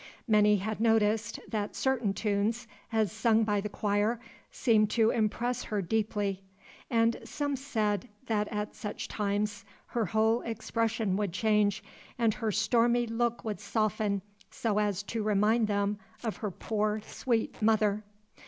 Many had noticed, that certain tunes, as sung by the choir, seemed to impress her deeply; and some said, that at such times her whole expression would change, and her stormy look would soften so as to remind them of her poor, sweet mother.